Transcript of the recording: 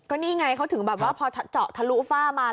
นี่ไงเขาถึงแบบว่าพอเจาะทะลุฝ้ามา